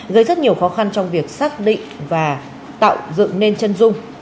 gây rất nhiều khó khăn trong việc xác định và tạo dựng nên chân dung